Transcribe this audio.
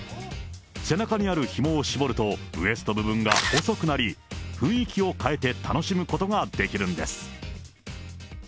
背中にあるひもを絞ると、ウエスト部分が細くなり、雰囲気を変えて楽しむことができるんです。